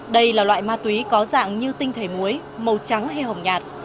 đây là loại ma túy có dạng như tinh thể muối màu trắng hay hồng nhạt